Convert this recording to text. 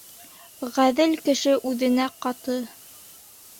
Ғәҙел кеше үҙенә ҡаты